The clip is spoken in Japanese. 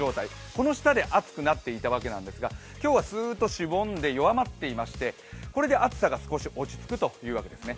この下で暑くなっていたわけなんですが、今日はスッとしぼんで弱まっていまして、これで暑さが少し落ち着くというわけですね。